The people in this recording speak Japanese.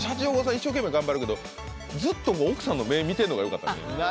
一生懸命頑張るけどずっと奥さんの目見てるのがよかったですよね